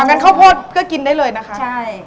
งั้นข้าวโพดก็กินได้เลยนะคะใช่